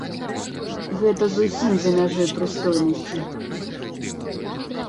Гэта зусім за мяжой прыстойнасці.